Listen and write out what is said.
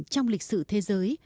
trong lịch sử thế giới